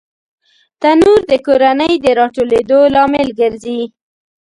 تنور د کورنۍ د راټولېدو لامل ګرځي